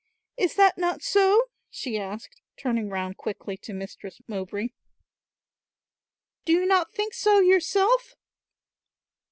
Is that not so?" she asked, turning round quickly to Mistress Mowbray; "Do you not think so yourself?"